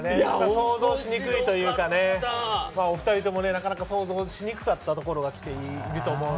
想像しにくいというかね、お２人ともなかなか想像しにくかったところが来ていると思うので。